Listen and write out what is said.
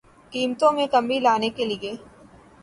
قیمتوں میں کمی لانے کیلئے